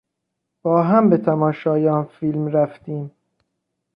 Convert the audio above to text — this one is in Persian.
با هم به تماشای آن فیلم رفتیم.